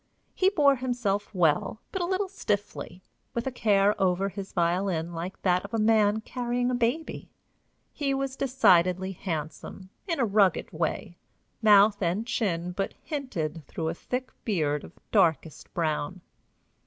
He bore himself well, but a little stiffly, with a care over his violin like that of a man carrying a baby. He was decidedly handsome, in a rugged way mouth and chin but hinted through a thick beard of darkest brown.